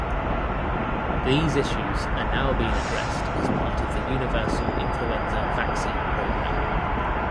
These issues are now being addressed as part of the Universal Influenza Vaccine Program.